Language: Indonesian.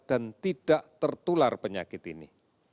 dan tidak tertular penyakit ini